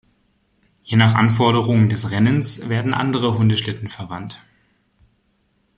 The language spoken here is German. Je nach Anforderungen des Rennens werden andere Hundeschlitten verwandt.